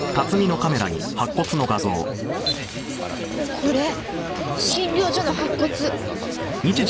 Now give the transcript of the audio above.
これ診療所の白骨。